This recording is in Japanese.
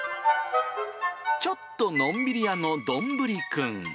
ちょっとのんびり屋のどんぶりくん。